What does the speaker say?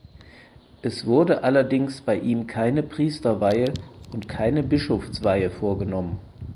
Es wurde allerdings bei ihm keine Priesterweihe und keine Bischofsweihe vorgenommen.